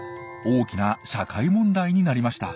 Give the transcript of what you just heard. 大きな社会問題になりました。